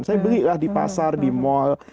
saya belilah di pasar di mal